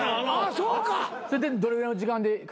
それってどれぐらいの時間で完成すんの？